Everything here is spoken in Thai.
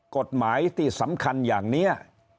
กฎหมายที่สำคัญอย่างนี้